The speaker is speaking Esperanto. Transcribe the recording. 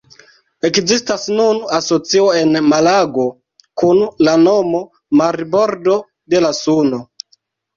Ekzistas nun asocio en Malago, kun la nomo «Marbordo de la Suno».